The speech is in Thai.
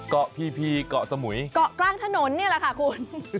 ก๊อกพี่พีก๊อกสมุยก๊อกกล้างถนนเนี่ยแหละค่ะคุณ